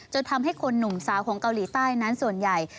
ทำให้คนหนุ่มสาวของเกาหลีใต้นั้นส่วนใหญ่